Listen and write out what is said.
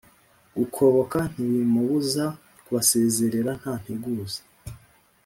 Gukoboka ntibimubuza kubasezerera ntanteguza.